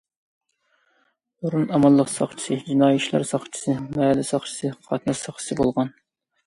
بۇرۇن ئامانلىق ساقچىسى، جىنايى ئىشلار ساقچىسى، مەھەللە ساقچىسى، قاتناش ساقچىسى بولغان.